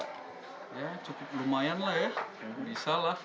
ya cukup lumayan lah ya bisa lah